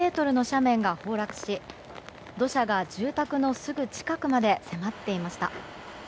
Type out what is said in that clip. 熊本県天草市では高さ５ｍの斜面が崩落し土砂が、住宅のすぐ近くまで迫っていました。